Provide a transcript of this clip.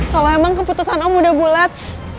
kalau emang keputusan om udah bulat